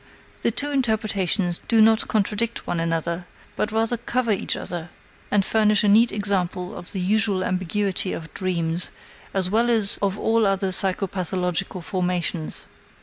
The two interpretations do not contradict one another, but rather cover each other and furnish a neat example of the usual ambiguity of dreams as well as of all other psychopathological formations.